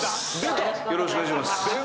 よろしくお願いします。